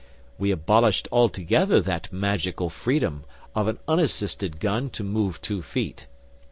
We abolished altogether that magical freedom of an unassisted gun to move two feet.